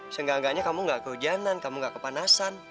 seenggak enggaknya kamu gak kehujanan kamu gak kepanasan